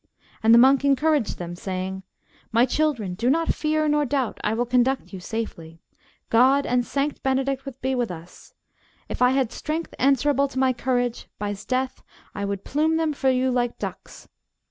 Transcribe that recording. And the monk encouraged them, saying, My children, do not fear nor doubt, I will conduct you safely. God and Sanct Benedict be with us! If I had strength answerable to my courage, by's death, I would plume them for you like ducks.